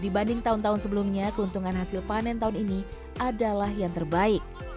dibanding tahun tahun sebelumnya keuntungan hasil panen tahun ini adalah yang terbaik